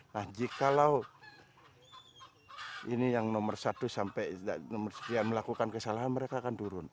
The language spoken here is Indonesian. nah jikalau ini yang nomor satu sampai melakukan kesalahan mereka akan turun